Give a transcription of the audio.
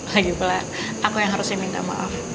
lagipula aku yang harus minta maaf